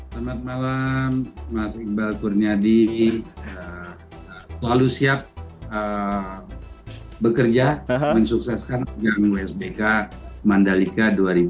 selamat malam mas iqbal kurniadi selalu siap bekerja mensukseskan program wsbk mandalika dua ribu dua puluh